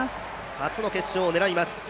初の決勝を狙います。